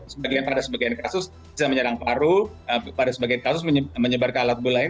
sebagian pada sebagian kasus bisa menyerang paru pada sebagian kasus menyebarkan alat bulan